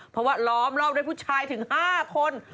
เพราะว่าล้อมรอบด้วยผู้ชายถึง๕คน